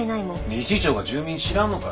理事長が住民知らんのかい。